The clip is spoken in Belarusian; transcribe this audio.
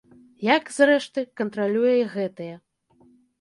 Як, зрэшты, кантралюе і гэтыя.